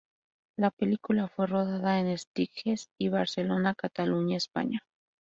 La película fue rodada en Sitges y Barcelona, Cataluña, España.